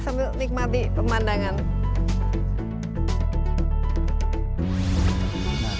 sambil nikmati pemandangan